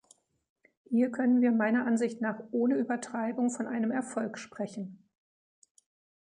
Hier können wir meiner Ansicht nach ohne Übertreibung von einem Erfolg sprechen.